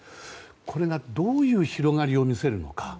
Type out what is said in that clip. これがどういう広がりを見せるのか。